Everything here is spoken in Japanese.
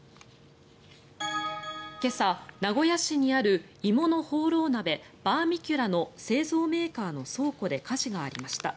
今朝、名古屋市にある鋳物ホーロー鍋、バーミキュラの製造メーカーの倉庫で火事がありました。